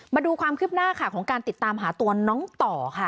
มาดูความคืบหน้าค่ะของการติดตามหาตัวน้องต่อค่ะ